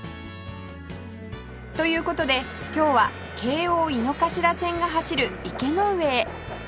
という事で今日は京王井の頭線が走る池ノ上へ